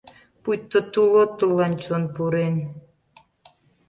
Пуйто тулотылан чон пурен.